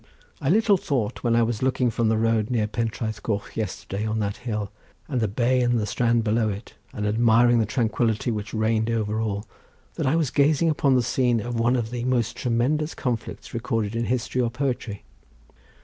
I little thought when I was looking from the road near Pentraeth Coch yesterday on that hill, and the bay and strand below it, and admiring the tranquillity which reigned over all, that I was gazing upon the scene of one of the most tremendous conflicts recorded in history or poetry."